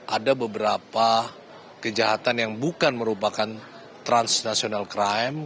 ada beberapa kejahatan yang bukan merupakan transnational crime